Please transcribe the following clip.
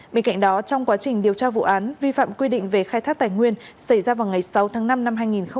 bên cạnh đó trong quá trình điều tra vụ án vi phạm quy định về khai thác tài nguyên xảy ra vào ngày sáu tháng năm năm hai nghìn hai mươi ba